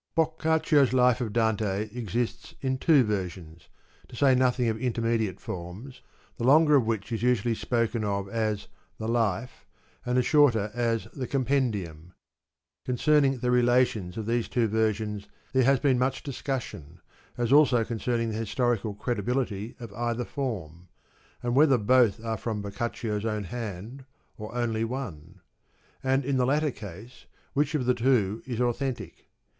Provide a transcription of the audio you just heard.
— Boccaccio's Life of Dante exists in two versions (to say nothing of inter mediate forms), the longer of which is usually spoken of as the * Life ' and the shorter as the * Compendium.' Concerning the relations of these two versions there has been much discussion, as also concerning the his torical credibility of either form, and whether both are from Boccaccio's own hand or only one ; and in the latter case which of the two is authentic.